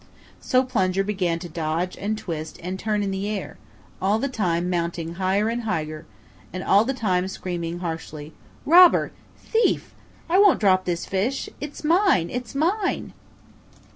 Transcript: So Plunger began to dodge and twist and turn in the air, all the time mounting higher and higher, and all the time screaming harshly, "Robber! Thief! I won't drop this fish! It's mine! It's mine!"